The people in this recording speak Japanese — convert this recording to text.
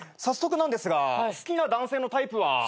早速なんですが好きな男性のタイプは？